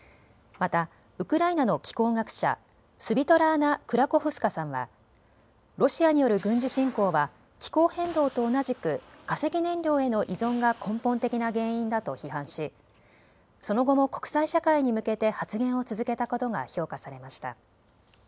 またウクライナの気候学者、スヴィトラーナ・クラコフスカさんはロシアによる軍事侵攻は気候変動と同じく化石燃料への依存が根本的な原因だと批判しその後も国際社会に向けて発言を続けたことが評価されました。